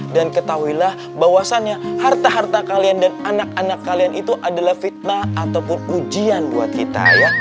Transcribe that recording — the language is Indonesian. dan ketahuilah bahwasannya harta harta kalian dan anak anak kalian itu adalah fitnah ataupun ujian buat kita ya